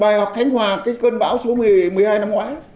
bài học khánh hòa cơn bão số một mươi hai năm ngoái